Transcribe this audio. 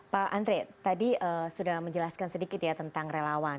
pak andre tadi sudah menjelaskan sedikit ya tentang relawan